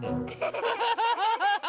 ハハハハハハ。